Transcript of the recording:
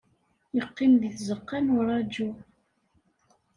Yeqqim deg tzeqqa n uṛaǧu.